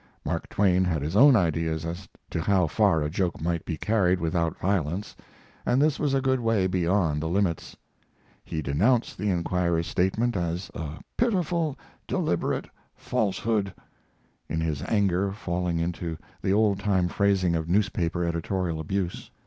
Mark Twain had his own ideas as to how far a joke might be carried without violence, and this was a good way beyond the limits. He denounced the Enquirer's statement as a "pitiful, deliberate falsehood," in his anger falling into the old time phrasing of newspaper editorial abuse.